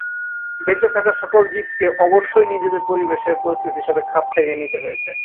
বেঁচে থাকা সকল জীবকে অবশ্যই নিজেদের পরিবেশের পরিস্থিতির সাথে খাপ খাইয়ে নিতে হয়েছে।